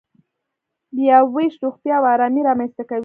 بیاوېش روغتیا او ارامي رامنځته کوي.